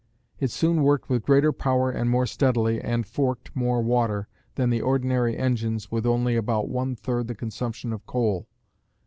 It soon worked with greater power and more steadily, and "forked" more water than the ordinary engines with only about one third the consumption of coal.